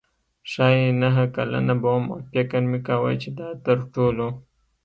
ښايي نهه کلنه به وم او فکر مې کاوه چې دا تر ټولو.